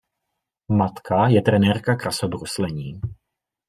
Matka je trenérka krasobruslení.